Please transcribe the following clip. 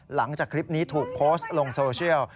หลังจากคลิปนี้ถูกโพสต์ลงโซเชียล